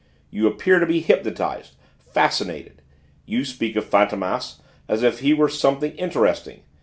You appear to be hypnotised, fascinated. You speak of Fantômas as if he were something interesting.